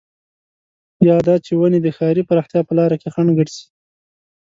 يا دا چې ونې د ښاري پراختيا په لاره کې خنډ ګرځي.